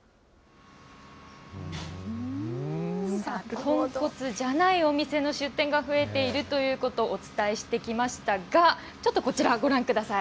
豚骨じゃないお店の出店が増えているということ、お伝えしてきましたが、ちょっとこちら、ご覧ください。